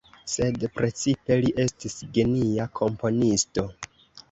Sed precipe li estis genia komponisto.